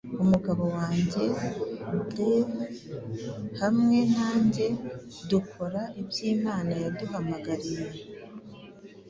Umugabo wanjye Dave hamwe nanjye dukora ibyo Imana yaduhamagariye